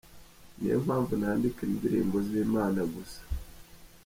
Niyo mpamvu nandika indirimbo z’Imana gusa .